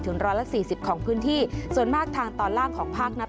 ร้อยละสี่สิบของพื้นที่ส่วนมากทางตอนล่างของภาคนัด